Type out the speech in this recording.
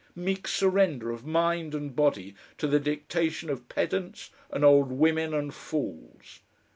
meek surrender of mind and body to the dictation of pedants and old women and fools.